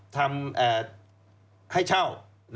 ทำให้เช่า